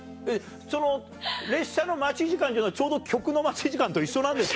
その列車の待ち時間っていうのは曲の待ち時間と一緒なんですか？